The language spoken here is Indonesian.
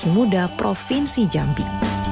muda provinsi jambi